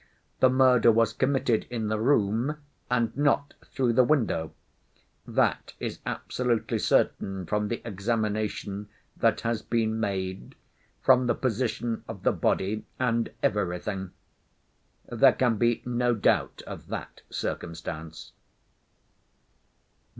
The murder was committed in the room and not through the window; that is absolutely certain from the examination that has been made, from the position of the body and everything. There can be no doubt of that circumstance."